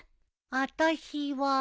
あたしは。